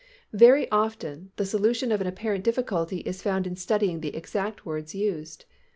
Very often the solution of an apparent difficulty is found in studying the exact words used.